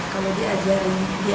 kalau dia ajarin